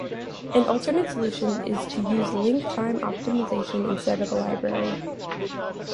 An alternative solution is to use link time optimization instead of a library.